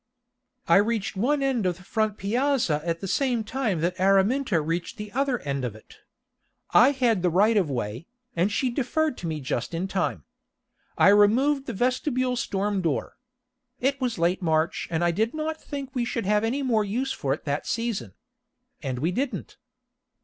I reached one end of the front piazza at the same time that Araminta reached the other end of it. I had the right of way, and she deferred to me just in time. I removed the vestibule storm door. It was late in March, and I did not think we should have any more use for it that season. And we didn't.